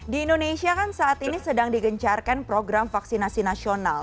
di indonesia kan saat ini sedang digencarkan program vaksinasi nasional